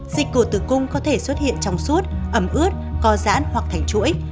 dịch cổ tử cung có thể xuất hiện trong suốt ẩm ướt co giãn hoặc thành chuỗi